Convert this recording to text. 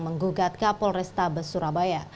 menggugat kapolrestabes surabaya